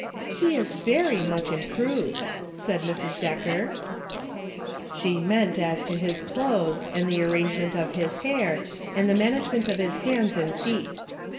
" He is very much improved," said Mrs. Decker. She meant as to his clothes, and the arrange ment of his hair, and the management of his hands and feet.